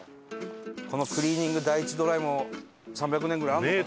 このクリーニング第一ドライも３００年ぐらいあるのかな？